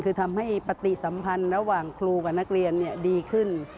คือทำให้ปฏิสัมพันธ์ระหว่างครูกับนักเรียนดีขึ้น